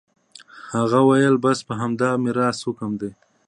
هغه وويل بس همدا د ميراث حکم دى.